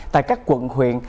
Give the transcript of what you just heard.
tại các quận huyện